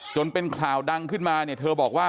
จนเป็นข่าวดังขึ้นมาเนี่ยเธอบอกว่า